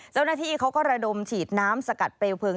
เจ้าหน้าที่เขาก็ระดมฉีดน้ำสกัดเปลวเพลิง